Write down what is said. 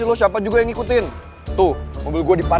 yaudah gue sebelah sana